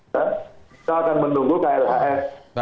kita akan menunggu klhs